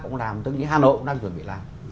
cũng làm tức là hà nội cũng đang chuẩn bị làm